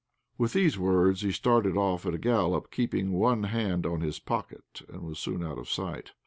With these words, he started off at a gallop, keeping one hand on his pocket, and was soon out of sight.